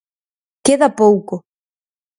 Queda pouco.